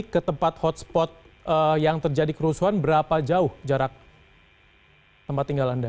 ke tempat hotspot yang terjadi kerusuhan berapa jauh jarak tempat tinggal anda